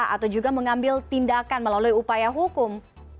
atau juga mengambil tindakan melalui upaya hukum